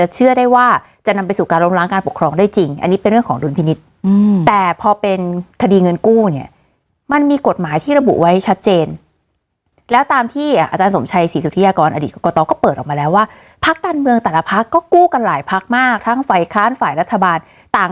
เชื่อได้ว่าจะนำไปสู่การล้มล้างการปกครองได้จริงอันนี้เป็นเรื่องของดุลพินิษฐ์แต่พอเป็นคดีเงินกู้เนี่ยมันมีกฎหมายที่ระบุไว้ชัดเจนแล้วตามที่อาจารย์สมชัยศรีสุธิยากรอดีตกรกตก็เปิดออกมาแล้วว่าพักการเมืองแต่ละพักก็กู้กันหลายพักมากทั้งฝ่ายค้านฝ่ายรัฐบาลต่าง